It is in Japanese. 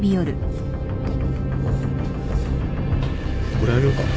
これあげようか？